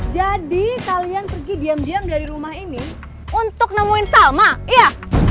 jadi kalian pergi diam diam dari rumah ini untuk nemuin salma iya